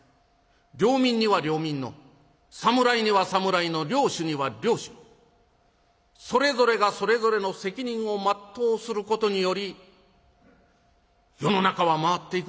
領民には領民の侍には侍の領主には領主のそれぞれがそれぞれの責任を全うすることにより世の中は回っていくものでございます。